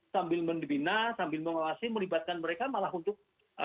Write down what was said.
sambil membina sambil mengawasi melibatkan mereka malah untuk